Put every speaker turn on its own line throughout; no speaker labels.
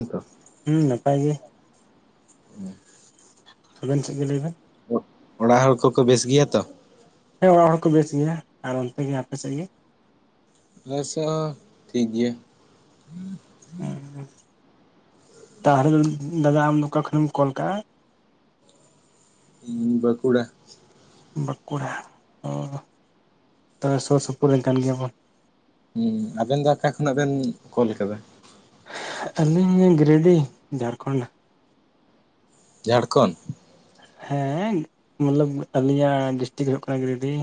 ᱛᱚ
ᱦᱩᱸ ᱱᱟᱯᱟᱭ‌ ᱜᱮ
[inaudible]
ᱟᱵᱮᱱ ᱥᱮᱫ ᱜᱮ ᱞᱟᱹᱭ ᱵᱮᱱ
ᱚᱲᱟᱜ ᱦᱚᱲ ᱠᱚᱠᱚ ᱵᱮᱥ ᱜᱮᱭᱟ ᱛᱚ
ᱦᱮᱸ ᱚᱲᱟᱜ ᱦᱚᱲ ᱠᱚ ᱵᱮᱥ ᱜᱮᱭᱟ ᱟᱨ ᱚᱱᱛᱮ ᱜᱮ ᱟᱯᱮ ᱥᱮᱫ ᱜᱮ
ᱟᱞᱮ ᱥᱮᱫ ᱦᱚᱸ ᱴᱷᱤᱠ ᱜᱮᱭᱟ
ᱚᱸ ᱛᱟᱦᱚᱞᱮ ᱫᱚ ᱫᱟᱫᱟ ᱟᱢ ᱫᱚ ᱚᱠᱟ ᱠᱷᱚᱱᱮᱢ ᱠᱚᱞ ᱠᱟᱜ-ᱟ᱾
ᱤᱧ ᱵᱟᱸᱠᱩᱲᱟ
ᱵᱟᱸᱠᱩᱲᱟ ᱚ ᱛᱚᱵᱮ ᱥᱩᱨ ᱥᱩᱯᱩᱨ ᱨᱮᱱ ᱠᱟᱱ ᱜᱮᱭᱟ ᱵᱚᱱ
ᱦᱩᱸ ᱟᱵᱮᱱ ᱫᱚ ᱚᱠᱟ ᱠᱷᱚᱱᱟᱜ ᱵᱮᱱ ᱠᱚᱞ ᱟᱠᱟᱫᱟ᱾
ᱟᱹᱞᱤᱧ ᱜᱤᱨᱤᱰᱤ ᱡᱷᱟᱲᱠᱷᱚᱸᱰ
ᱡᱷᱟᱲᱠᱷᱚᱸᱰ
ᱦᱮᱸ ᱢᱚᱛᱞᱚᱵ ᱟᱞᱤᱧᱟᱜ ᱰᱤᱥᱴᱤᱠ ᱦᱩᱭᱩᱜ ᱠᱟᱱᱟ ᱜᱤᱨᱤᱰᱤ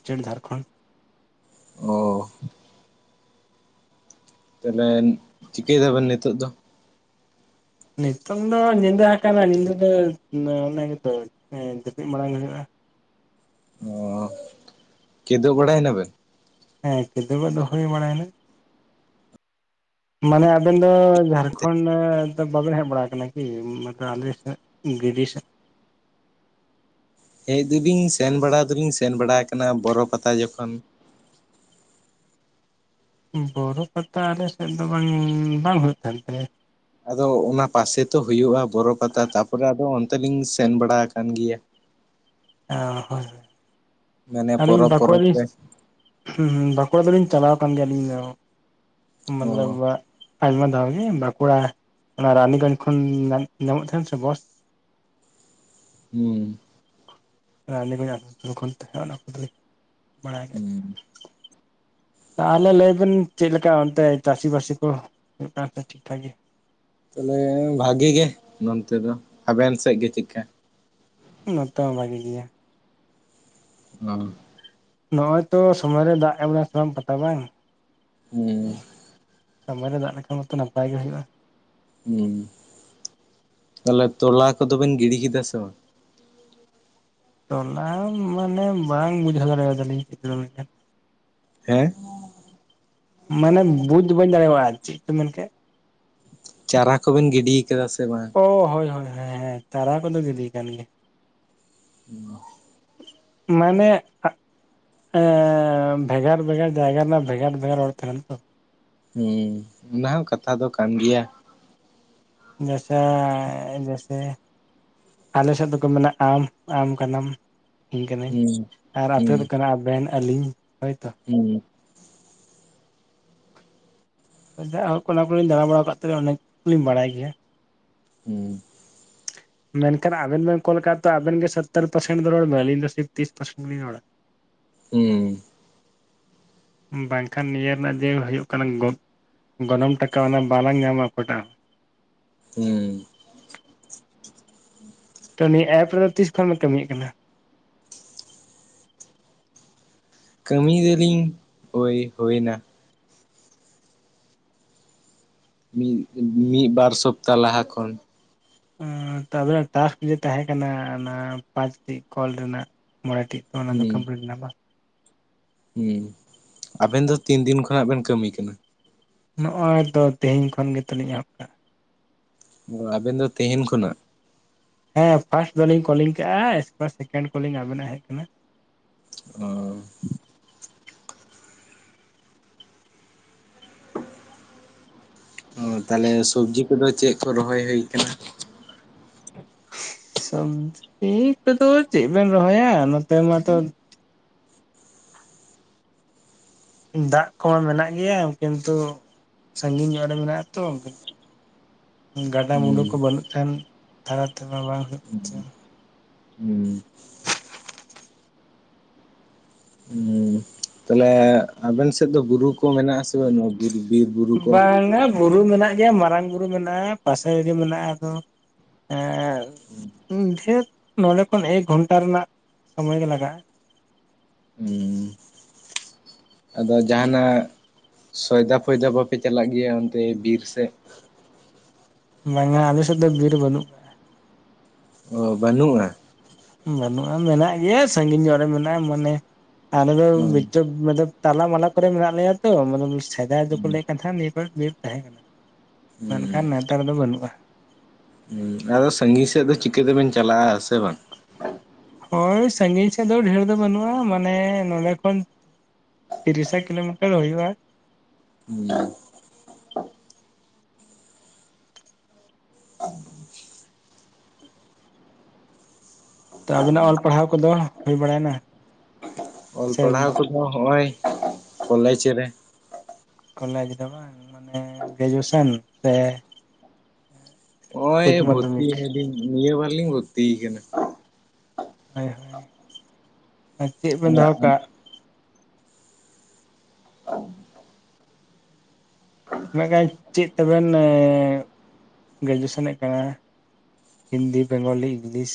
ᱥᱴᱮᱴ ᱡᱷᱟᱲᱠᱷᱚᱸᱰ
ᱚ ᱛᱟᱦᱚᱞᱮ ᱪᱤᱠᱟᱹᱭ ᱫᱟᱵᱮᱱ ᱱᱤᱛᱚᱜ ᱫᱚ
ᱱᱤᱛᱚᱝ ᱫᱚ ᱧᱤᱫᱟᱹ ᱦᱟᱠᱟᱱᱟ ᱧᱤᱫᱟᱹ ᱫᱚ ᱚᱱᱟ ᱜᱮᱛᱚ ᱡᱟᱹᱯᱤᱫ ᱢᱟᱲᱟᱝ ᱦᱩᱭᱩᱜ-ᱟ᱾
ᱠᱤᱫᱩᱵ ᱵᱟᱲᱟᱭ ᱱᱟ ᱵᱮᱱ
ᱦᱮᱸ ᱠᱤᱫᱩᱜᱚ ᱫᱚ ᱦᱳᱭ ᱵᱟᱲᱟ ᱭᱮᱱᱟ ᱢᱟᱱᱮ ᱟᱵᱮᱱ ᱫᱚ ᱡᱷᱟᱲᱠᱷᱚᱸᱰ ᱫᱚ ᱵᱟᱵᱮᱱ ᱦᱮᱡ ᱵᱟᱲᱟ ᱟᱠᱟᱱᱟ ᱠᱤ ᱱᱚᱛᱮ ᱟᱞᱮ ᱥᱮᱫ ᱜᱤᱨᱤᱰᱤ ᱥᱮᱫ
ᱦᱮᱡ ᱫᱚᱞᱤᱧ ᱥᱮᱱ ᱵᱟᱲᱟ ᱫᱚᱞᱤᱧ ᱥᱮᱱ ᱵᱟᱲᱟ ᱟᱠᱟᱱᱟ ᱵᱚᱨᱚ ᱯᱟᱛᱟ ᱡᱚᱠᱷᱟᱱ
ᱵᱳᱨᱳ ᱯᱟᱛᱟ ᱟᱞᱮ ᱥᱮᱫ ᱫᱚ ᱵᱟᱝ ᱵᱟᱝ ᱦᱩᱭᱩᱜ ᱛᱟᱦᱮᱱ ᱛᱟᱞᱮᱭᱟ
ᱟᱫᱚ ᱚᱱᱟ ᱯᱟᱥᱮ ᱛᱚ ᱦᱩᱭᱩᱜ-ᱟ ᱵᱚᱨᱚ ᱯᱟᱛᱟ ᱛᱟᱯᱚᱨᱮ ᱟᱫᱚ ᱚᱱᱛᱮ ᱞᱤᱧ ᱥᱮᱱ ᱵᱟᱲᱟ ᱟᱠᱟᱱ ᱜᱮᱭᱟ᱾
ᱚ ᱦᱳ
ᱢᱟᱱᱮ
ᱟᱹᱞᱤᱧ
ᱯᱚᱨᱚᱵᱽ ᱯᱚᱨᱚᱵᱽ
ᱵᱟᱠᱩᱲᱟᱞᱤᱧ
ᱛᱮ
ᱦᱩᱸ ᱦᱩᱸ ᱵᱟᱠᱩᱲᱟ ᱫᱚ ᱞᱤᱧ ᱪᱟᱞᱟᱣ ᱠᱟᱱ ᱜᱮᱭᱟ ᱟᱞᱤᱧ ᱦᱚᱸ ᱢᱟᱱᱮ
ᱚ
ᱟᱭᱢᱟ ᱫᱷᱟᱣ ᱜᱮ ᱵᱟᱸᱠᱩᱲᱟ ᱚᱱᱟ ᱨᱟᱱᱤᱜᱚᱸᱡᱽ ᱠᱷᱚᱱ ᱱᱟᱢ ᱧᱟᱢᱚᱜ ᱛᱟᱦᱮᱸᱱ ᱥᱮ ᱵᱚᱥ?
ᱦᱩᱸ᱾
[unintelligible]
ᱦᱩᱸ
ᱛᱟᱦᱚᱞᱮ ᱞᱟᱹᱭ ᱵᱤᱱ ᱪᱮᱫ ᱞᱮᱠᱟ ᱚᱱᱛᱮ ᱪᱟᱹᱥᱤ ᱵᱟᱹᱥᱤ ᱠᱚ‌ [unintelligible]
ᱛᱟᱦᱚᱞᱮ ᱵᱷᱟᱜᱮ ᱜᱮ ᱱᱚᱱᱛᱮ ᱫᱚ, ᱟᱵᱮᱱ ᱥᱮᱫ ᱜᱮ ᱪᱮᱫᱠᱟ?
ᱱᱚᱛᱮ ᱦᱚᱸ ᱵᱷᱟᱜᱤ ᱜᱮᱭᱟ᱾
[unintelligible]
ᱱᱚᱜᱚᱭ ᱛᱚ ᱥᱚᱢᱚᱭ ᱨᱮ ᱫᱟᱜ ᱮᱢᱲᱟ ᱥᱮ ᱵᱟᱝ ᱯᱟᱛᱟ ᱵᱟᱝ
ᱦᱩᱸ᱾
ᱥᱚᱢᱚᱭ ᱨᱮ ᱫᱟᱜ ᱞᱮᱠᱷᱟᱱ ᱢᱟᱛᱚ ᱱᱟᱯᱟᱭ ᱜᱮ ᱦᱩᱭᱩᱜᱼᱟ
ᱦᱩᱸ, ᱛᱟᱞᱦᱮ ᱛᱚᱞᱟ ᱠᱚᱫᱚ ᱵᱤᱱ ᱜᱤᱲᱤ ᱠᱮᱫᱟ ᱥᱮ ᱵᱟᱝ?
ᱛᱚᱞᱟ ᱢᱟᱱᱮ ᱵᱟᱝ ᱵᱩᱡᱷᱟᱹᱣ ᱫᱟᱲᱮᱭᱟᱫᱟᱞᱤᱧ ᱜᱤᱫᱽᱨᱟᱹ ᱞᱮᱠᱟ᱾
ᱦᱮᱸ
ᱢᱟᱱᱮ ᱵᱩᱡᱽ ᱵᱟᱹᱧ ᱫᱟᱲᱮᱚᱣᱟᱜ ᱪᱮᱫ ᱢᱮᱱ ᱠᱮᱫ?
ᱪᱟᱨᱟ ᱠᱚᱵᱮᱱ ᱜᱤᱰᱤ ᱠᱟᱫᱟ ᱥᱮ ᱵᱟᱝ?
ᱚ, ᱦᱳᱭ ᱦᱳᱭ ᱦᱮᱸ ᱦᱮᱸ ᱪᱟᱨᱟ ᱠᱚᱫᱚ ᱜᱤᱰᱤ ᱠᱟᱱ ᱜᱮᱭᱟ᱾
ᱩᱸ
ᱢᱟᱱᱮ ᱦᱮᱸ ᱵᱷᱮᱜᱟᱨ ᱵᱷᱮᱜᱟᱨ ᱡᱟᱭᱜᱟ ᱨᱮᱱᱟᱜ ᱵᱷᱮᱜᱟᱨ ᱵᱷᱮᱜᱟᱨ ᱨᱚᱲ ᱛᱟᱦᱮᱱᱟ ᱛᱚ᱾
ᱦᱩᱸ ᱚᱱᱟ ᱦᱚᱸ ᱠᱟᱛᱷᱟ ᱫᱚ ᱠᱟᱱ ᱜᱮᱭᱟ᱾
ᱱᱮᱥᱟ ᱡᱮᱥᱮ, ᱟᱞᱮᱥᱮᱫ ᱫᱚᱠᱚ ᱢᱮᱱᱟ ᱟᱢ ᱟᱢ ᱠᱟᱱᱟᱢ ᱤᱧ ᱠᱟᱱᱟᱹᱧ
ᱦᱩᱸ
ᱟᱨ ᱟᱯᱮ
ᱦᱩᱸ
ᱫᱚ ᱠᱟᱱᱟ ᱟᱵᱮᱱ ᱟᱹᱞᱤᱧ ᱦᱳᱭᱛᱚ
ᱦᱩᱸ᱾
ᱡᱟᱭ ᱦᱳᱠ ᱚᱱᱟ ᱠᱚᱞᱤᱧ ᱫᱟᱲᱟ ᱵᱟᱲᱟ ᱟᱠᱟᱫ ᱛᱮ ᱚᱱᱟ ᱠᱚᱞᱤᱧ ᱵᱟᱲᱟᱭ ᱜᱮᱭᱟ᱾
ᱦᱩᱸ᱾
ᱢᱮᱱᱠᱷᱟᱱ ᱟᱵᱮᱱ ᱵᱮᱱ ᱠᱚᱞ ᱠᱟᱜ ᱛᱚ ᱟᱵᱮᱱ ᱜᱮ ᱥᱚᱛᱛᱚᱨ ᱯᱟᱨᱥᱮᱱ ᱫᱚ ᱨᱚᱲᱢᱮ ᱟᱹᱞᱤᱧ ᱫᱚ ᱛᱤᱥ ᱯᱟᱨᱥᱮᱱ ᱞᱤᱧ ᱨᱚᱲᱟ᱾
ᱦᱩᱸ
ᱵᱟᱝᱠᱷᱟᱱ ᱱᱤᱭᱟᱹ ᱨᱮᱱᱟᱜ ᱡᱮ ᱦᱳᱭᱳᱜ ᱠᱟᱱᱟ ᱜᱚᱜ ᱜᱚᱱᱚᱝ ᱴᱟᱠᱟ ᱚᱱᱟ ᱵᱟᱞᱟᱝ ᱧᱟᱢᱟ ᱚᱠᱟᱴᱟᱜ ᱾
ᱦᱩᱸ
ᱛᱚ ᱱᱤᱭᱟᱹ ᱮᱯ ᱨᱮᱫᱚ ᱛᱤᱥ ᱠᱷᱚᱱ ᱵᱮᱱ ᱠᱟᱹᱢᱤᱭᱜ ᱠᱟᱱᱟ?
ᱠᱟᱹᱢᱤ ᱫᱚᱞᱤᱧ ᱦᱳᱭ ᱦᱳᱭ ᱱᱟ᱾ ᱢᱤᱫ ᱢᱤᱫ ᱵᱟᱨ ᱥᱚᱯᱛᱟ ᱞᱟᱦᱟ ᱠᱷᱚᱱ᱾
ᱛᱟᱦᱞᱮ ᱴᱟᱥᱠ ᱡᱮ ᱛᱟᱦᱮᱸ ᱠᱟᱱᱟ ᱚᱱᱟ ᱯᱟᱸᱪ ᱴᱤ ᱠᱚᱞ ᱨᱮᱱᱟᱜ ᱢᱚᱬᱮ ᱴᱤᱡ᱾ ᱱᱚᱜᱱᱟ ᱫᱚ
ᱦᱩᱸ
ᱠᱚᱢᱯᱞᱤᱴ ᱱᱟ ᱵᱟᱝ?
ᱦᱩᱸ ᱟᱵᱮᱱ ᱫᱚ ᱛᱤᱱ ᱫᱤᱱ ᱠᱷᱚᱱᱟᱜ ᱵᱮᱱ ᱠᱟᱹᱢᱤ ᱠᱟᱱᱟ?
ᱱᱚᱜᱚᱭ ᱛᱚ ᱛᱮᱦᱮᱧ ᱠᱷᱚᱱ ᱜᱮᱛᱚᱞᱤᱧ ᱮᱦᱚᱵ ᱠᱟᱜᱟ᱾
ᱚ ᱟᱵᱮᱱ ᱫᱚ ᱛᱮᱦᱮᱱ ᱠᱷᱚᱱᱟᱜ
ᱦᱮᱸ ᱯᱷᱟᱥᱴ ᱫᱚᱞᱤᱧ ᱠᱚᱞᱤᱝ ᱠᱟᱜᱟ [unintelligible] ᱥᱮᱠᱮᱱᱰ ᱠᱚᱞᱤᱝ ᱟᱵᱮᱱᱟᱜ ᱦᱮᱡ ᱠᱟᱱᱟ᱾
ᱚ ᱚ ᱛᱟᱦᱞᱮ ᱥᱚᱵᱽᱡᱤ ᱠᱚᱫᱚ ᱪᱮᱫ ᱠᱚ ᱨᱚᱦᱚᱭ ᱦᱩᱭ ᱠᱟᱱᱟ?
ᱥᱚᱵᱡᱤ ᱠᱚᱫᱚ ᱪᱮᱜ ᱵᱮᱱ ᱨᱚᱦᱚᱭᱟ ᱱᱚᱛᱮ ᱢᱟᱛᱚ ᱫᱟᱜ ᱠᱚ ᱢᱮᱱᱟᱜ ᱜᱮᱭᱟ ᱠᱤᱱᱛᱩ ᱥᱟᱺᱜᱤᱧ ᱧᱚᱜ ᱨᱮ ᱢᱮᱱᱟᱜ-ᱟ ᱛᱚ᱾ ᱜᱟᱰᱟ ᱢᱩᱸᱰᱩ ᱠᱚ
ᱦᱩᱸ
ᱵᱟᱹᱱᱩᱜ ᱠᱷᱟᱱ ᱛᱷᱟᱨᱟ ᱛᱮᱢᱟ ᱵᱟᱝ ᱦᱩᱭᱩᱜ ᱠᱟᱱ ᱾
ᱦᱩᱸ ᱦᱩᱸ ᱛᱟᱦᱞᱮ ᱟᱵᱮᱱ ᱥᱮᱫ ᱫᱚ ᱵᱩᱨᱩ ᱠᱚ ᱢᱮᱱᱟᱜ-ᱟ ᱥᱮ ᱵᱟᱹᱱᱩᱜ-ᱟ ᱵᱩᱨᱩ, ᱵᱤᱨ ᱵᱩᱨᱩ ᱠᱚ?
ᱵᱟᱝᱟ ᱵᱩᱨᱩ ᱢᱮᱱᱟᱜ ᱜᱮᱭᱟ ᱢᱟᱨᱟᱝ ᱵᱩᱨᱩ ᱢᱮᱱᱟᱜᱼᱟ ᱯᱟᱥᱮ ᱨᱮᱜᱮ ᱢᱮᱱᱟᱜᱼᱟ ᱟᱫᱚ᱾ ᱮᱸ ᱰᱷᱮᱨ ᱱᱚᱰᱮ ᱠᱷᱚᱱ ᱮᱠ ᱜᱷᱚᱱᱴᱟ ᱨᱮᱱᱟᱜ ᱥᱚᱢᱚᱭ ᱜᱮ ᱞᱟᱜᱟ-ᱟ᱾
ᱦᱩᱸᱻ ᱟᱫᱚ ᱡᱟᱦᱟᱱᱟᱜ ᱥᱚᱭᱫᱟ ᱯᱷᱚᱭᱫᱟ ᱵᱟᱯᱮ ᱪᱟᱞᱟᱜ ᱜᱮᱭᱟ ᱚᱱᱛᱮ ᱵᱤᱨ ᱥᱮᱫ
ᱵᱟᱝᱟ ᱟᱞᱮ ᱥᱮᱫ ᱫᱚ ᱵᱤᱨ ᱵᱟᱹᱱᱩᱜ ᱟᱠᱟᱫᱼᱟ᱾
ᱚ ᱵᱟᱹᱱᱩᱜ-ᱟ᱾
ᱵᱟᱹᱱᱩᱜ-ᱟ ᱢᱮᱱᱟᱜ ᱜᱮᱭᱟ ᱥᱟᱺᱜᱤᱧ ᱧᱚᱜ ᱨᱮ ᱢᱮᱱᱟᱜ-ᱟ ᱢᱟᱱᱮ ᱟᱞᱮ ᱫᱚ
ᱚ
ᱵᱤᱪᱚᱠ ᱢᱟᱫᱚᱵ ᱛᱟᱞᱟ ᱢᱟᱞᱟ ᱠᱚᱨᱮ ᱢᱮᱱᱟᱜ ᱞᱮᱭᱟ ᱛᱚ ᱢᱟᱛᱞᱚᱵ ᱥᱮᱫᱟᱭ ᱫᱚᱠᱚ
ᱦᱩᱸ
ᱞᱟᱹᱭ ᱮᱫ ᱛᱟᱦᱮᱸᱱᱟ ᱱᱤᱭᱟᱹ ᱠᱚ ᱵᱤᱨ ᱛᱟᱦᱮᱸ ᱠᱟᱱᱟ᱾ ᱢᱮᱱᱠᱷᱟᱱ ᱱᱮᱛᱟᱨ ᱫᱚ ᱵᱟᱹᱱᱩᱜ-ᱟ᱾
ᱦᱩᱸ ᱟᱫᱚ ᱥᱟᱺᱜᱤᱧ ᱥᱮᱫ ᱫᱚ, ᱪᱤᱠᱟᱹ ᱛᱮᱵᱮᱱ ᱪᱟᱞᱟᱜ-ᱟ, ᱥᱮ ᱵᱟᱝ?
ᱦᱳᱭ ᱥᱟᱺᱜᱤᱧ ᱥᱮᱫ ᱫᱚ, ᱰᱷᱮᱨ ᱫᱚ ᱵᱟᱹᱱᱩᱜ-ᱟ, ᱢᱟᱱᱮ ᱱᱚᱰᱮ ᱠᱷᱚᱱ ᱛᱤᱨᱤᱥᱟ ᱠᱤᱞᱳ ᱢᱤᱴᱟᱨ ᱦᱳᱭᱳᱜ-ᱟ᱾
ᱦᱩᱸ [unintelligible]
ᱛᱚ ᱟᱵᱮᱱᱟᱜ ᱚᱞ ᱯᱟᱲᱦᱟᱣ ᱠᱚᱫᱚ, ᱦᱳᱭ ᱵᱟᱲᱟᱭ ᱱᱟ᱾
ᱚᱞ ᱯᱟᱲᱦᱟᱣ ᱠᱚᱫᱚ ᱦᱚᱜ-ᱚᱭ, ᱠᱚᱞᱮᱡᱽ ᱨᱮ᱾
ᱠᱚᱞᱮᱡᱽ ᱫᱚ ᱵᱟᱝ, ᱢᱟᱱᱮ ᱜᱨᱮᱡᱩᱭᱮᱥᱚᱱ ᱥᱮ
ᱦᱚᱜ-ᱚᱭ
ᱩᱪᱪᱚ
ᱵᱷᱚᱨᱛᱤᱭ
ᱢᱟᱫᱽᱫᱷᱚᱢᱤᱠ
ᱮᱱᱟᱞᱤᱧ, ᱱᱤᱭᱟᱹ ᱵᱟᱨ ᱞᱤᱧ ᱵᱷᱚᱨᱛᱤ ᱠᱟᱱᱟ᱾
ᱦᱳᱭ, ᱟᱨ ᱪᱮᱫ ᱵᱮᱱ ᱫᱚᱦᱚ ᱠᱟᱜ? ᱢᱮᱱ ᱠᱷᱟᱡ, ᱪᱮᱫ ᱛᱮᱵᱮᱱ ᱜᱨᱮᱡᱩᱭᱮᱥᱚᱱᱮᱫ ᱠᱟᱱᱟ? ᱦᱤᱱᱫᱤ ᱵᱮᱝᱜᱚᱞᱤ ᱤᱝᱞᱤᱥ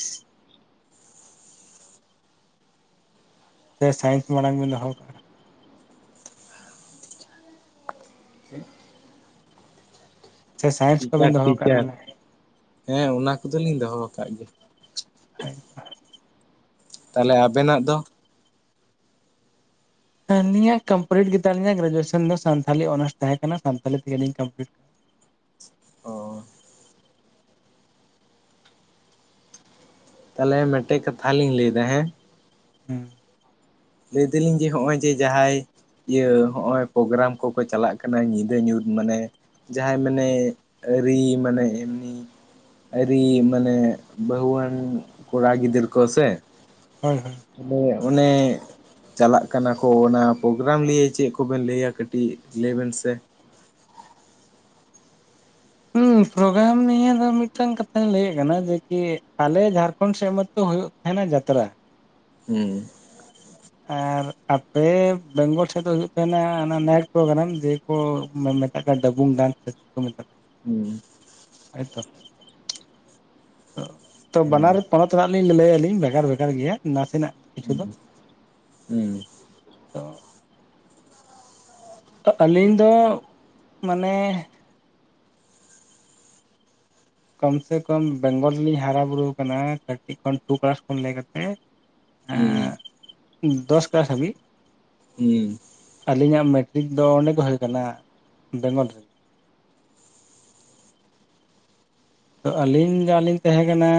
ᱥᱮ ᱥᱟᱭᱮᱱᱥ ᱢᱟᱲᱟᱝ ᱵᱮᱱ, ᱫᱚᱦᱚ ᱠᱟᱜ-ᱟ᱾ ᱥᱮ ᱥᱟᱭᱮᱱᱥ
ᱴᱤᱪᱟᱨ
ᱠᱚᱵᱮᱱ, ᱫᱚᱦᱚ ᱠᱟᱜᱼᱟ,
ᱴᱤᱪᱟᱨ
ᱵᱚᱞᱮ᱾
ᱦᱮᱸ ᱚᱱᱟ ᱠᱚᱫᱚ ᱞᱤᱧ ᱫᱚᱦᱚ ᱟᱠᱟᱫ ᱜᱮᱭᱟ᱾
ᱦᱳᱭ
ᱛᱟᱦᱚᱞᱮ ᱟᱵᱮᱱᱟᱜ ᱫᱚ᱾
ᱟᱹᱞᱤᱧ ᱟᱜ ᱠᱚᱢᱯᱞᱤᱴ ᱜᱮ ᱛᱟᱹᱞᱤᱧᱟ ᱜᱨᱮᱡᱩᱭᱮᱥᱚᱱ ᱫᱚ ᱥᱟᱱᱛᱷᱟᱞᱤ ᱚᱱᱟᱨᱥ ᱛᱟᱦᱮᱸ ᱠᱟᱱᱟ ᱥᱟᱱᱛᱟᱞᱤ ᱛᱮᱜᱮᱞᱤᱧ ᱠᱚᱢᱯᱞᱤᱴ ᱟᱠᱟᱱᱟ
ᱚ ᱛᱟᱦᱚᱞᱮ ᱢᱤᱫᱴᱮᱡ ᱠᱟᱛᱷᱟ ᱞᱤᱧ ᱞᱟᱹᱭ ᱮᱫᱟ ᱦᱮᱸ᱾
ᱦᱩᱸ
ᱞᱟᱹᱭ ᱫᱟᱞᱤᱧ ᱡᱮ ᱱᱚᱜ-ᱚᱭ ᱡᱮ ᱡᱟᱦᱟᱸᱭ ᱤᱭᱟᱹ ᱱᱚᱜ-ᱚᱭ ᱯᱨᱳᱜᱨᱟᱢ ᱠᱚᱠᱚ ᱪᱟᱞᱟᱜ ᱠᱟᱱᱟ ᱧᱤᱫᱟᱹ ᱧᱩᱛ ᱢᱟᱱᱮ ᱡᱟᱦᱟᱸᱭ ᱢᱟᱱᱮ ᱟᱹᱨᱤ ᱢᱟᱱᱮ ᱮᱢᱱᱤ ᱟᱹᱨᱤ ᱢᱟᱱᱮ ᱵᱟᱹᱦᱩᱣᱟᱱ ᱠᱚᱲᱟ ᱜᱤᱫᱟᱹᱨ ᱠᱚ ᱥᱮ᱾
ᱦᱳᱭ ᱦᱳᱭ,
ᱢᱟᱹᱭ ᱟᱜ ᱢᱚᱱᱮ ᱪᱟᱞᱟᱜ ᱠᱟᱱᱟ ᱠᱚ ᱚᱱᱟ ᱯᱨᱳᱜᱨᱟᱢ ᱞᱤᱭᱮ ᱪᱮᱫ ᱠᱚᱵᱮᱱ ᱞᱟᱹᱭᱟ ᱠᱟᱹᱴᱤᱡ ᱞᱟᱹᱭ ᱵᱮᱱ ᱥᱮ
ᱦᱩᱸ ᱯᱨᱳᱜᱨᱟᱢ ᱱᱤᱭᱟᱹ ᱫᱚ ᱢᱤᱫᱴᱟᱝ ᱠᱟᱛᱷᱟᱹᱧ ᱞᱟᱹᱭ ᱮᱫ ᱠᱟᱱᱟ, ᱡᱮᱠᱤ ᱟᱞᱮ ᱡᱷᱟᱲᱠᱷᱚᱸᱰ ᱥᱮᱫ ᱢᱟᱛᱳ ᱦᱳᱭᱳᱜ ᱛᱟᱦᱮᱱᱟ ᱡᱟᱛᱨᱟ᱾
ᱦᱩᱸ
ᱟᱨ ᱟᱯᱮ ᱵᱮᱝᱜᱚᱞ ᱥᱮᱫ ᱫᱚ ᱦᱩᱭᱩᱜ ᱛᱟᱦᱮᱱᱟ ᱚᱱᱟ ᱱᱟᱭᱤᱴ ᱯᱨᱳᱜᱨᱟᱢ ᱡᱮ ᱳ ᱢᱮᱛᱟᱜ ᱠᱟᱱᱟ ᱰᱟᱵᱩᱝ ᱰᱟᱱᱥ ᱥᱮ ᱪᱮᱫ ᱠᱚ ᱢᱮᱛᱟᱜ ᱠᱟᱱᱟ᱾
ᱦᱩᱸ
ᱟᱭ ᱛᱚ ᱛᱚ
ᱦᱮᱸ
ᱵᱟᱱᱟᱨ ᱯᱚᱱᱚᱛ ᱨᱮᱱᱟᱜ ᱞᱤᱧ ᱞᱟᱹᱭ ᱟᱞᱤᱧ ᱵᱷᱮᱜᱟᱨ ᱵᱷᱮᱜᱟᱨ ᱜᱮᱭᱟ ᱱᱟᱥᱮᱱᱟᱜ ᱠᱤᱪᱷᱩ
ᱦᱩᱸ
ᱫᱚ
ᱦᱩᱸ
ᱛᱚ ᱟᱹᱞᱤᱧ ᱫᱚ ᱢᱟᱱᱮ ᱠᱚᱢ ᱥᱮ ᱠᱚᱢ ᱵᱮᱝᱜᱚᱞ ᱨᱮᱞᱤᱧ ᱦᱟᱨᱟ ᱵᱩᱨᱩ ᱟᱠᱟᱱᱟ ᱠᱟᱹᱴᱤᱡ ᱠᱷᱚᱱ ᱴᱩ ᱠᱞᱟᱥ ᱠᱷᱚᱱ ᱞᱟᱹᱭ ᱠᱟᱛᱮᱫ
ᱦᱩᱸ
ᱮᱸ ᱫᱚᱥ ᱠᱞᱟᱥ ᱦᱟᱹᱵᱤᱡ
ᱦᱩᱸ
ᱟᱹᱞᱤᱧᱟᱜ ᱢᱮᱴᱨᱤᱠ ᱫᱚ ᱚᱸᱰᱮ ᱜᱮ ᱦᱩᱭ ᱟᱠᱟᱱᱟ ᱵᱮᱝᱜᱚᱞ ᱨᱮ᱾ ᱛᱚ ᱟᱹᱞᱤᱧ ᱡᱟᱞᱤᱧ ᱛᱟᱦᱮᱸ ᱠᱟᱱᱟ,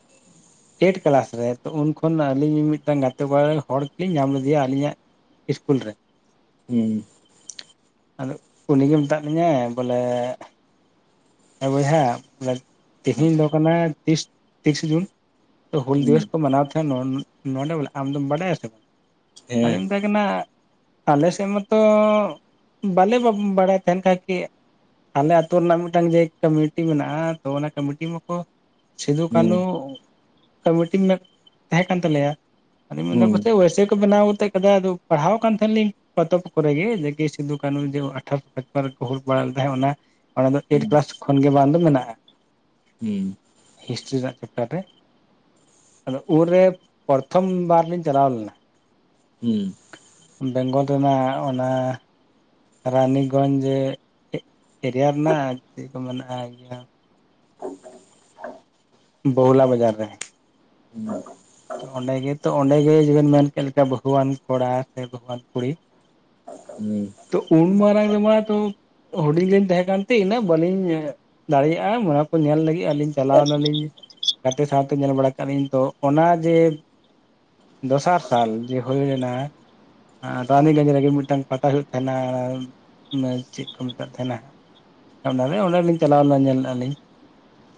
[inaudible]
ᱴᱮᱴ ᱠᱞᱟᱥ ᱨᱮ ᱛᱚ ᱩᱱ ᱠᱷᱚᱱ ᱟᱹᱞᱤᱧ ᱢᱤᱫᱴᱟᱱ ᱜᱟᱛᱮ ᱠᱚᱲᱟ ᱨᱮᱱ ᱦᱚᱲ ᱛᱮᱞᱤᱧ ᱧᱟᱢ ᱞᱮᱫᱮᱭᱟ ᱟᱹᱞᱤᱧᱟᱜ ᱤᱥᱠᱩᱞ ᱨᱮ᱾
ᱦᱩᱸ
ᱟᱫᱚ ᱩᱱᱤᱜᱮ ᱢᱮᱛᱟᱜ ᱞᱤᱧᱟᱭ ᱵᱚᱞᱮᱻ, ᱮ ᱵᱚᱭᱦᱟ ᱢᱟᱱᱮ ᱛᱮᱦᱮᱧ ᱫᱚ ᱠᱟᱱᱟ ᱛᱤᱥ ᱛᱤᱨᱤᱥᱟ ᱡᱩᱱ᱾ ᱦᱩᱞ
ᱦᱩᱸ
ᱫᱤᱵᱚᱥ ᱠᱚ ᱢᱟᱱᱟᱣ ᱛᱟᱦᱮᱸᱱ ᱱᱚᱱ ᱱᱚᱸᱰᱮ ᱵᱚᱞᱮ ᱟᱢ ᱫᱚᱢ ᱵᱟᱰᱟᱭᱟ ᱥᱮ ᱵᱟᱝ
ᱦᱮᱸ
ᱟᱫᱚᱧ ᱢᱮᱛᱟᱭ ᱠᱟᱱᱟ ᱟᱞᱮ ᱥᱮᱱ ᱢᱟᱛᱚ ᱵᱟᱞᱮ ᱵᱟᱵ ᱵᱟᱲᱟᱭ ᱛᱟᱦᱮᱱ ᱠᱷᱟᱡ ᱠᱮ ᱟᱞᱮ ᱟᱹᱛᱳ ᱱᱟᱜ ᱢᱮᱜᱴᱟᱝ ᱡᱮ ᱠᱟᱢᱤᱴᱤ ᱢᱮᱱᱟᱜ᱾ ᱟ ᱛᱚ ᱚᱱᱟ ᱠᱟᱢᱤᱴᱤ ᱢᱟᱠᱚ ᱥᱤᱫᱷᱩ
ᱦᱩᱸ
ᱠᱟᱹᱱᱩ ᱠᱟᱢᱤᱴᱤ ᱢᱮᱜ ᱛᱟᱦᱮᱸ ᱠᱟᱱ ᱛᱟᱞᱮᱭᱟ ᱟᱫᱚ ᱢᱮᱱᱫᱟ
ᱦᱩᱸ
ᱯᱟᱪᱮ ᱚᱭᱥᱮ ᱠᱚ ᱵᱮᱱᱟᱣ ᱠᱚᱛᱮᱜ ᱠᱟᱫᱟ ᱟᱫᱚ ᱯᱟᱲᱦᱟᱣ ᱠᱟᱱ ᱛᱟᱦᱮᱱ ᱞᱤᱧ᱾ ᱯᱚᱛᱚᱵ ᱠᱚᱨᱮ ᱜᱮ ᱡᱟᱠᱤ ᱥᱤᱫᱩ ᱠᱟᱹᱱᱩ ᱡᱮ ᱟᱴᱷᱟᱨᱚᱥᱚ ᱯᱚᱪᱯᱚᱱ ᱨᱮ ᱠᱚ ᱦᱩᱞ ᱵᱟᱲᱟ ᱞᱮᱫᱟ ᱚᱱᱟ ᱚᱱᱟ ᱫᱚ ᱴᱮᱱ
ᱦᱩᱸ
ᱠᱞᱟᱥ ᱠᱷᱚᱱ ᱜᱮ ᱵᱟᱝ ᱫᱚ ᱢᱮᱱᱟᱜᱼᱟ᱾
ᱦᱩᱸ,
ᱦᱤᱥᱴᱨᱤ [unintelligible] ᱨᱮᱭᱟᱜ ᱪᱮᱯᱴᱟᱨ ᱨᱮ᱾ ᱩᱱ ᱨᱮ ᱯᱚᱨᱚᱛᱷᱚᱢ [unintelligible] ᱵᱟᱨ ᱞᱤᱧ ᱪᱟᱞᱟᱣ ᱞᱮᱱᱟ
ᱦᱩᱸ,
ᱵᱮᱝᱜᱚᱞ ᱨᱮᱱᱟᱜ ᱚᱱᱟ ᱨᱟᱱᱤᱜᱚᱡᱽ ᱮᱨᱤᱭᱟ ᱨᱮᱱᱟᱜ ᱪᱮᱜ ᱠᱚ ᱢᱮᱱᱟᱜᱼᱟ ᱤᱭᱟᱹ ᱵᱚᱦᱚᱞᱟ ᱵᱟᱡᱟᱨ ᱨᱮ᱾
[inaudible]
ᱚ ᱚᱸᱰᱮ ᱜᱮ ᱛᱚ ᱚᱸᱰᱮ ᱜᱮ ᱡᱮᱵᱮᱱ ᱢᱮᱱ ᱠᱮᱜ ᱞᱮᱠᱟ ᱵᱟᱹᱦᱩᱣᱟᱱ ᱠᱚᱲᱟ ᱥᱮ ᱵᱟᱹᱦᱩᱣᱟᱱ ᱠᱩᱲᱤ
ᱦᱩᱸ,
ᱛᱚ ᱩᱱ ᱢᱟᱨᱟᱝ ᱨᱮᱢᱟ ᱛᱚ ᱦᱩᱰᱤᱧ ᱞᱤᱧ ᱛᱟᱦᱮᱸ ᱠᱟᱱᱛᱮ ᱤᱱᱟᱹᱜ ᱵᱟᱹᱞᱤᱧ ᱫᱟᱲᱮᱭᱟᱜᱼᱟ ᱚᱱᱟᱠᱚ ᱧᱮᱞ ᱞᱟᱹᱜᱤᱜ ᱟᱹᱞᱤᱧ ᱪᱟᱞᱟᱣᱱᱟᱞᱤᱧ᱾ ᱜᱟᱛᱮ ᱥᱟᱶᱛᱮ ᱧᱮᱞ ᱵᱟᱲᱟ ᱠᱮᱜᱼᱟᱞᱤᱧ ᱛᱚ ᱚᱱᱟ ᱡᱮ ᱫᱚᱥᱟᱨ ᱥᱟᱞ [unintelligible] ᱡᱮ ᱦᱳᱭ ᱞᱮᱱᱟ᱾ ᱟ ᱨᱟᱱᱤᱜᱚᱸᱡ ᱨᱮᱜᱮ ᱢᱤᱫᱴᱟᱝ ᱯᱟᱛᱟ ᱦᱳᱭᱳᱜ ᱛᱟᱦᱮᱱᱟ ᱢᱟ ᱪᱮᱜ ᱠᱚ ᱢᱮᱛᱟᱜ ᱛᱟᱦᱮᱱᱟ ᱦᱟᱸᱜ᱾ ᱚᱱᱟᱨᱮ ᱚᱸᱰᱮᱞᱤᱧ ᱪᱟᱞᱟᱣ ᱞᱮᱱᱟ ᱧᱮᱞ ᱞᱟᱜᱼᱟᱞᱤᱧ᱾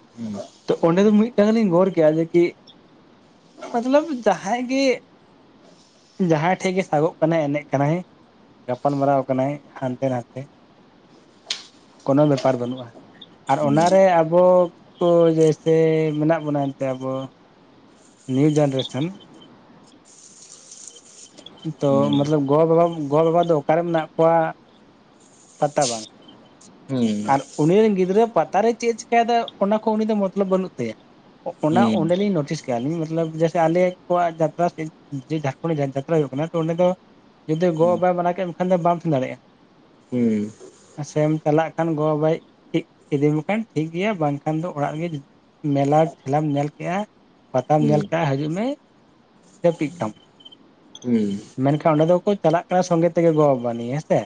[inaudible]
ᱛᱚ ᱚᱸᱰᱮ ᱫᱚ ᱢᱤᱫᱴᱟᱝ ᱜᱮ ᱞᱤᱧ ᱜᱚᱨ ᱠᱮᱜᱼᱟ ᱡᱮ ᱠᱤ? ᱢᱚᱛᱞᱚᱵ [unintelligible] ᱡᱟᱦᱟᱸᱭ ᱜᱮ ᱡᱟᱦᱟᱸᱭ ᱴᱷᱮᱡ ᱜᱮ ᱥᱟᱜᱚᱜ ᱠᱟᱱᱟᱭ ᱮᱱᱮᱡ ᱠᱟᱱᱟᱭ᱾ ᱜᱟᱯᱟᱞ ᱢᱟᱨᱟᱣ ᱠᱟᱱᱟᱭ ᱦᱟᱱᱛᱮ ᱱᱟᱛᱮ᱾ ᱠᱳᱱᱳ ᱵᱮᱯᱟᱨ ᱵᱟᱹᱱᱩᱜᱼᱟ᱾ ᱟᱨ ᱚᱱᱟᱨᱮ ᱟᱵᱚ ᱠᱚ ᱡᱮᱭᱥᱮ ᱢᱮᱱᱟᱜ ᱵᱚᱱᱟ ᱮᱱᱛᱮᱜ ᱟᱵᱚ᱾ ᱱᱤᱭᱩ ᱡᱮᱱᱨᱮᱥᱚᱱ ᱛᱚ ᱢᱟᱛᱞᱚᱵ [unintelligible] ᱜᱚ ᱵᱟᱵᱟ ᱜᱚᱵᱟᱵᱟ ᱫᱚ ᱚᱠᱟᱨᱮ ᱢᱮᱱᱟᱜ ᱠᱚᱣᱟ ᱯᱟᱛᱛᱟ ᱵᱟᱝ᱾
ᱦᱩᱸ,
ᱟᱨ ᱩᱱᱤ ᱨᱮᱱ ᱜᱤᱫᱽᱨᱟᱹ ᱯᱟᱛᱟᱨᱮ ᱪᱮᱜ ᱮ ᱪᱤᱠᱟᱭᱟᱫᱟ ᱚᱱᱟ ᱠᱚ ᱩᱱᱤ ᱫᱚ ᱢᱚᱛᱞᱚᱵ [unintelligible] ᱵᱟᱹᱱᱩᱜ ᱛᱟᱭᱟ᱾ ᱚᱱᱟ ᱚᱸᱰᱮᱞᱤᱧ ᱱᱳᱴᱤᱥ ᱠᱮᱜᱼᱟᱞᱤᱧ᱾ ᱢᱟᱛᱞᱚᱵ ᱡᱮᱭᱥᱮ ᱟᱞᱮ ᱠᱚᱣᱟᱜ ᱡᱟᱛᱨᱟ ᱡᱷᱟᱲᱠᱷᱚᱸᱰ ᱡᱟᱛᱨᱟ ᱦᱩᱭᱩᱜ ᱠᱟᱱᱟ ᱛᱚ ᱚᱸᱰᱮ ᱫᱚ ᱡᱩᱫᱤ ᱜᱚ ᱵᱟᱵᱟᱭ ᱢᱟᱱᱟ ᱠᱮᱜ ᱢᱮᱠᱷᱟᱱ ᱫᱚ ᱵᱟᱢ ᱥᱮᱱ ᱫᱟᱲᱮᱭᱟᱜᱼᱟ᱾
ᱦᱩᱸ,
ᱥᱮᱢ ᱪᱟᱞᱟᱜ ᱠᱷᱟᱱ ᱜᱚ ᱵᱟᱵᱟᱭ ᱤ ᱤᱫᱤ ᱢᱮᱠᱷᱟᱱ ᱴᱷᱤᱠ ᱜᱮᱭᱟ ᱵᱟᱝᱠᱷᱟᱱ ᱫᱚ ᱚᱲᱟᱜ ᱨᱮᱜᱮ ᱢᱮᱞᱟ ᱴᱷᱮᱞᱟᱢ ᱧᱮᱞ ᱠᱮᱜᱼᱟ ᱯᱟᱛᱟᱢ ᱧᱮᱞ ᱠᱮᱜᱼᱟ ᱦᱟᱡᱩᱜ ᱢᱮ ᱡᱟᱹᱯᱤᱜ ᱠᱟᱢ᱾
ᱦᱩᱸ,
ᱢᱮᱱᱠᱷᱟᱱ ᱚᱸᱰᱮ ᱫᱚᱠᱚ ᱪᱟᱞᱟᱜ ᱠᱟᱱᱟ ᱥᱚᱸᱜᱮ ᱛᱮᱜᱮ ᱜᱚᱜᱚ ᱵᱟᱵᱟ ᱱᱤᱭᱮ ᱦᱮᱸᱥᱮ᱾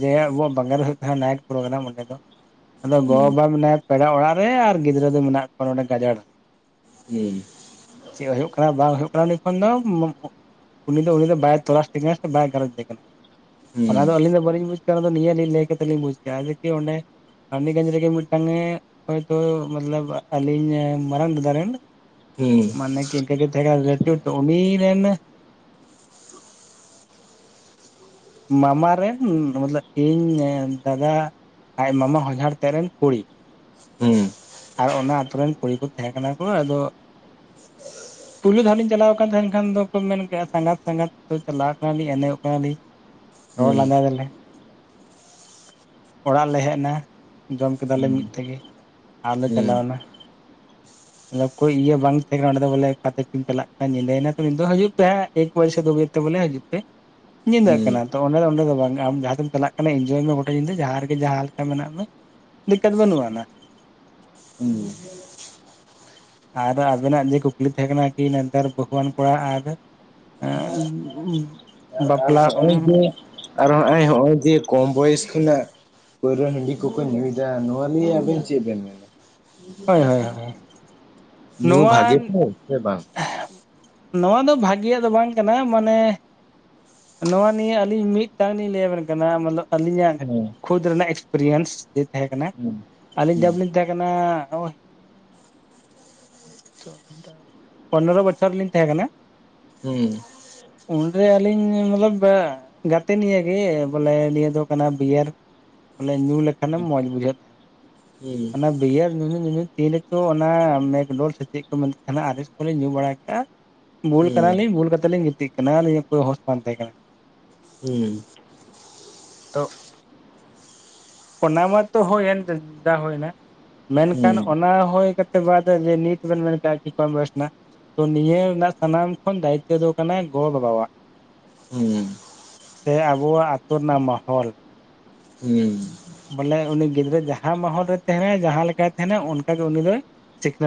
ᱡᱮ ᱟᱵᱚᱣᱟᱜ ᱵᱟᱝᱟᱞ ᱨᱮ ᱦᱳᱭᱳᱜ ᱛᱟᱦᱮᱱᱟ ᱱᱟᱭᱤᱴ ᱯᱨᱳᱜᱨᱟᱢ ᱚᱸᱰᱮ ᱫᱚ ᱟᱫᱚ ᱜᱚ-ᱵᱟᱵᱟ ᱢᱮᱱᱟᱭᱟ ᱯᱮᱲᱟ ᱚᱲᱟᱜ ᱨᱮ ᱟᱨ ᱜᱤᱫᱽᱨᱟᱹ ᱫᱚ ᱢᱮᱱᱟᱜ ᱠᱚᱣᱟ ᱱᱚᱸᱰᱮ ᱜᱟᱡᱟᱲ
ᱦᱩᱸ
ᱪᱮᱜ ᱦᱳᱭᱳᱜ ᱠᱟᱱᱟ ᱵᱟᱝ ᱦᱳᱭᱳᱜ ᱠᱟᱱᱟ ᱩᱱᱤ ᱠᱷᱚᱱ ᱫᱚ ᱢᱚ- ᱩᱱᱤ ᱫᱚ ᱩᱱᱤ ᱫᱚ ᱵᱟᱭ ᱛᱚᱞᱟᱥ ᱛᱮᱜᱮᱭᱟ ᱥᱮ ᱵᱟᱭ ᱜᱷᱟᱨᱚᱡᱽ ᱮ ᱠᱟᱱᱟ᱾ ᱚᱱᱟ ᱫᱚ ᱟᱹᱞᱤᱧ ᱫᱚ ᱵᱟᱹᱞᱤᱧ ᱵᱩᱡᱽ ᱠᱟᱱᱟ ᱚᱱᱟ ᱫᱚ ᱱᱤᱭᱟᱹ ᱞᱤᱧ ᱞᱟᱹᱭ ᱠᱟᱛᱮᱞᱤᱧ ᱵᱩᱡᱽ ᱠᱮᱜ-ᱟ ᱡᱮᱠᱤ ᱚᱸᱰᱮ ᱟᱢᱤ- ᱠᱟᱹᱢᱤ ᱨᱮᱜᱮ ᱢᱤᱫᱴᱟᱝ ᱮ ᱦᱚᱭ ᱛᱚ ᱢᱚᱛᱞᱚᱵ ᱟᱹᱞᱤᱧ ᱢᱟᱨᱟᱝ ᱫᱟᱫᱟ ᱨᱮᱱ ᱢᱟᱱᱮ ᱠᱤ ᱤᱱᱠᱟᱹ ᱜᱮ ᱛᱟᱦᱮᱸ ᱠᱟᱱᱟ ᱞᱟᱹᱴᱩ ᱛᱚ ᱩᱱᱤ ᱨᱮᱱ ᱢᱟᱢᱟ ᱨᱮᱱ ᱢᱚᱛᱞᱚᱵ ᱤᱧ ᱫᱟᱫᱟ ᱟᱡ ᱢᱟᱢᱟ ᱦᱚᱧᱦᱟᱨ ᱛᱮᱜ ᱨᱮᱱ ᱠᱩᱲᱤ᱾
ᱦᱩᱸ,
ᱟᱨ ᱚᱱᱟ ᱟᱛᱩ ᱨᱮᱱ ᱠᱩᱲᱤ ᱠᱚ ᱛᱟᱦᱮᱸ ᱠᱟᱱᱟ ᱠᱚ᱾ ᱟᱫᱚ
[inaudible]
ᱯᱩᱭᱞᱩ ᱫᱷᱟᱣ ᱞᱤᱧ ᱪᱟᱞᱟᱣ ᱟᱠᱟᱱ ᱛᱟᱦᱮᱸᱱ ᱠᱷᱟᱱ ᱫᱚᱠᱚ ᱢᱮᱱ ᱠᱮᱜᱼᱟ ᱥᱟᱸᱜᱟᱛ ᱥᱟᱸᱜᱟᱛ ᱛᱚ ᱪᱟᱞᱟᱣ ᱠᱟᱱᱟᱞᱤᱧ ᱮᱱᱮᱡᱚᱜ ᱠᱟᱱᱟᱞᱤᱧ, ᱨᱳᱲ ᱞᱟᱸᱫᱟᱭ ᱫᱟᱞᱮ᱾ ᱚᱲᱟᱜ ᱞᱮ ᱦᱮᱜᱱᱟ, ᱡᱚᱢ ᱠᱮᱫᱟᱞᱮ ᱢᱤᱫ ᱛᱮᱜᱮ᱾ ᱟᱨᱞᱮ ᱪᱟᱞᱟᱣᱮᱱᱟ᱾
[unintelligible]
ᱚᱠᱚᱭ ᱤᱭᱟᱹ ᱵᱟᱝ ᱛᱟᱦᱮᱸ ᱠᱟᱱᱟ ᱚᱸᱰᱮ ᱫᱚ ᱵᱚᱞᱮ ᱚᱠᱟ ᱛᱮ ᱠᱤᱱ ᱪᱟᱞᱟᱜ ᱠᱟᱱ ᱧᱤᱫᱟᱹᱭᱮᱱᱟ ᱛᱚ, ᱱᱤᱫ ᱫᱚ ᱦᱟᱹᱡᱩᱜ ᱯᱮ ᱮᱠ ᱵᱟᱡᱮ ᱥᱮ ᱫᱳ ᱵᱟᱡᱮ ᱛᱚ ᱵᱚᱞᱮ ᱦᱟᱹᱡᱩᱜ ᱯᱮᱺ
[inaudible]
ᱧᱤᱫᱟᱹᱜ ᱠᱟᱱᱟ ᱛᱚ ᱚᱸᱰᱮ ᱫᱚ ᱚᱸᱰᱮ ᱫᱚ ᱵᱟᱝ ᱟᱢ ᱡᱟᱦᱟᱸᱛᱮᱢ ᱪᱟᱞᱟᱜ ᱠᱟᱱᱟ ᱤᱱᱡᱚᱭ ᱢᱮ ᱜᱚᱴᱟ ᱧᱤᱫᱟᱹ ᱡᱟᱦᱟᱸ ᱨᱮᱜᱮ ᱡᱟᱦᱟᱸ ᱞᱮᱠᱟ ᱢᱮᱱᱟᱜ ᱢᱮ, ᱫᱤᱠᱠᱟᱹᱛ ᱵᱟᱹᱱᱩᱜ ᱟᱱᱟ᱾
ᱦᱩᱸ᱾
ᱟᱨ ᱟᱵᱮᱱᱟᱜ ᱡᱮ ᱠᱩᱠᱞᱤ ᱛᱟᱦᱮᱸ ᱠᱟᱱᱟ ᱠᱤ ᱱᱮᱛᱟᱨ ᱵᱟᱹᱦᱩᱣᱟᱱ ᱠᱚᱲᱟ ᱟᱨ [unintelligible]
ᱟᱨ ᱦᱚᱸᱜᱼᱚᱭ ᱡᱮ, ᱟᱨ ᱦᱚᱸᱜᱼᱚᱭ ᱦᱚᱸᱜᱼᱚᱭ ᱡᱮ ᱠᱚᱢ ᱵᱚᱭᱮᱥ ᱠᱷᱚᱱᱟᱜ ᱯᱟᱹᱣᱨᱟᱹ ᱦᱟᱺᱰᱤ ᱠᱚᱠᱚ ᱧᱩᱭᱫᱟ, ᱱᱚᱣᱟ ᱱᱤᱭᱟᱹ ᱟᱵᱮᱱ ᱪᱮᱜ ᱵᱮᱱ ᱢᱮᱱᱟ?
ᱦᱳᱭ ᱦᱳᱭ ᱦᱳᱭ
ᱧᱩ
ᱱᱚᱣᱟ
ᱵᱷᱟᱜᱮ [inaudible] ᱥᱮ ᱵᱟᱝ?
ᱱᱚᱣᱟ ᱫᱚ ᱵᱷᱟᱜᱮᱭᱟᱜ ᱫᱚ ᱵᱟᱝ ᱠᱟᱱᱟ ᱢᱟᱱᱮ ᱱᱚᱣᱟ ᱱᱤᱭᱟᱹ ᱟᱹᱞᱤᱧ ᱢᱤᱫᱴᱟᱝ ᱞᱤᱧ ᱞᱟᱹᱭᱟᱵᱮᱱ ᱠᱟᱱᱟ ᱢᱚᱛᱞᱚᱵ ᱟᱹᱞᱤᱧᱟᱜ
ᱦᱮᱸ
ᱠᱷᱩᱫᱽ ᱨᱮᱱᱟᱜ ᱮᱠᱥᱯᱮᱨᱤᱭᱮᱱᱥ ᱡᱮ ᱛᱟᱦᱮᱸ ᱠᱟᱱᱟ,
ᱦᱩᱸ
ᱟᱹᱞᱤᱧ
ᱦᱩᱸ
ᱡᱟᱵᱞᱤᱧ ᱛᱟᱦᱮᱸ ᱠᱟᱱᱟ [inaudible] ᱯᱚᱱᱫᱨᱚ ᱵᱚᱪᱷᱚᱨ ᱞᱤᱧ ᱛᱟᱦᱮᱸ ᱠᱟᱱᱟ᱾
ᱦᱩᱸ᱾
ᱩᱱᱨᱮ ᱟᱹᱞᱤᱧ ᱢᱚᱛᱞᱚᱵ [inaudible] ᱜᱟᱛᱮ ᱱᱤᱭᱟᱹᱜᱮ ᱵᱚᱞᱮ ᱱᱤᱭᱟᱹ ᱫᱚ ᱠᱟᱱᱟ ᱵᱤᱭᱟᱨ, ᱵᱚᱞᱮ ᱧᱩ ᱞᱮᱠᱷᱟᱱᱮᱢ ᱢᱚᱡᱽ ᱵᱩᱡᱷᱟᱹᱜ᱾
ᱦᱩᱸ
ᱚᱱᱟ ᱵᱤᱭᱟᱨ ᱧᱩᱧᱩ ᱧᱩᱧᱩ ᱛᱤᱱᱨᱮ ᱪᱚ ᱚᱱᱟ ᱢᱮᱜᱰᱚᱞ ᱥᱮ ᱪᱮᱫ ᱠᱚ ᱢᱮᱱᱮᱫ ᱛᱟᱦᱮᱸᱱᱟ ᱟᱨ. ᱮᱥ‌ ᱠᱚᱞᱮ ᱧᱩ ᱵᱟᱲᱟ ᱠᱮᱜᱼᱟ᱾ ᱵᱩᱞ ᱠᱟᱱᱟᱞᱤᱧ
ᱦᱩᱸ
ᱵᱩᱞ ᱠᱟᱛᱮᱫ ᱞᱤᱧ ᱜᱤᱛᱤᱜ ᱠᱟᱱᱟ ᱟᱹᱞᱤᱧᱟᱜ ᱠᱳᱱᱳ ᱦᱳᱥ ᱵᱟᱝ ᱛᱟᱦᱮᱸ ᱠᱟᱱᱟ᱾
ᱦᱩᱸ᱾
ᱛᱚ ᱯᱱᱟ ᱢᱟ ᱛᱚ ᱦᱳᱭᱮᱱ, ᱫᱟ ᱦᱳᱭᱱᱟ᱾ ᱢᱮᱱᱠᱷᱟᱱ
ᱦᱩᱸ
ᱚᱱᱟ ᱦᱳᱭ ᱠᱟᱛᱮ ᱵᱟᱫᱽ ᱡᱮ ᱱᱤᱛ ᱵᱮᱱ ᱢᱮᱱ ᱠᱮᱜᱼᱟ ᱟᱹᱰᱤ ᱠᱚᱢ ᱵᱚᱭᱮᱥ ᱠᱷᱚᱱᱟᱜ ᱛᱚ ᱱᱤᱭᱟᱹ ᱨᱮᱱᱟᱜ ᱥᱟᱱᱟᱢ ᱠᱷᱚᱱ ᱫᱟᱭᱤᱠᱛᱚ ᱫᱚ ᱠᱟᱱᱟ ᱜᱚ-ᱵᱟᱵᱟᱣᱟᱜ᱾
ᱦᱩᱸ᱾ ᱦᱩᱸ
ᱥᱮ ᱟᱵᱚᱣᱟᱜ ᱟᱛᱳ ᱨᱮᱱᱟᱜ ᱢᱚᱦᱚᱞ᱾
ᱦᱩᱸ᱾
ᱵᱚᱞᱮ ᱩᱱᱤ ᱜᱤᱫᱽᱨᱟᱹ ᱡᱟᱦᱟᱸ ᱢᱚᱦᱚᱞ ᱨᱮᱭ ᱛᱟᱦᱮᱸᱱᱟᱭ ᱡᱟᱦᱟᱸ ᱞᱮᱠᱟᱭ ᱛᱟᱦᱮᱸᱱᱟ ᱚᱱᱠᱟ ᱜᱮ ᱩᱱᱤ ᱫᱚᱭ ᱥᱤᱠᱷᱱᱟᱹᱛ